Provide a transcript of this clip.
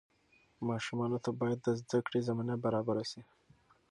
ماشومانو ته باید د زده کړې زمینه برابره سي.